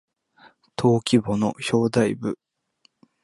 登記簿の表題部